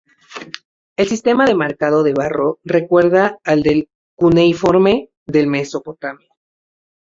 El sistema de marcado del barro recuerda al del cuneiforme de Mesopotamia.